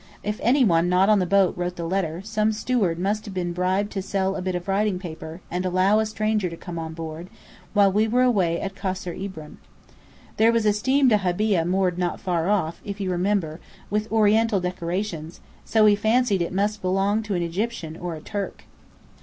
If any one not on the boat wrote the letter, some steward must have been bribed to sell a bit of writing paper, and allow a stranger to come on board, while we were away at Kasr Ibrim. There was a steam dahabeah moored not far off, if you remember, with Oriental decorations; so we fancied it must belong to an Egyptian or a Turk."